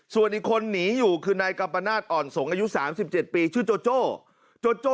ส่วนอีกคนหนีอยู่คือนายกัมปนาศอ่อนสงอายุ๓๗ปีชื่อโจโจ้โจโจ้